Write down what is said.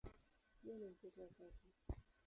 Yeye ni mtoto wa tatu.